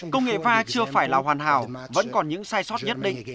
công nghệ va chưa phải là hoàn hảo vẫn còn những sai sót nhất định